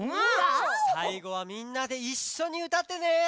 さいごはみんなでいっしょにうたってね！